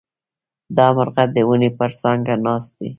دا مرغه د ونې پر څانګه ناست دی.